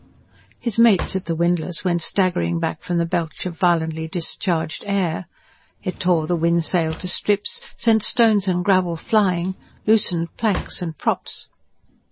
His mates at the windlass went staggering back from the belch of violently discharged air: it tore the wind sail to strips, sent stones and gravel flying, loosened planks and props.